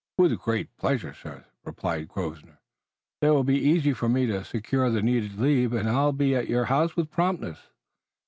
"With great pleasure, sir," replied Grosvenor. "'Twill be easy for me to secure the needed leave, and I'll be at your house with promptness."